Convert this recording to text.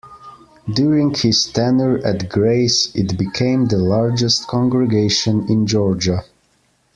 During his tenure at Grace, it became the largest congregation in Georgia.